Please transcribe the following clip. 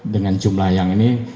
dengan jumlah yang ini